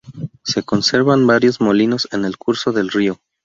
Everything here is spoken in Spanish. Se conservan varios molinos en el curso del río.